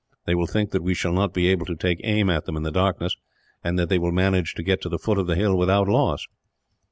They will think that we shall not be able to take aim at them, in the darkness; and that they will manage to get to the foot of the hill, without loss."